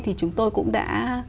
thì chúng tôi cũng đã